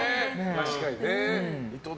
確かにね。